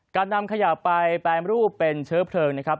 นำขยะไปแปรรูปเป็นเชื้อเพลิงนะครับ